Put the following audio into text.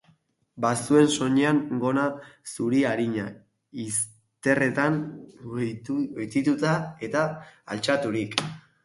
Bazuen soinean, gona zuri arina izterretan goititua eta altxaturik.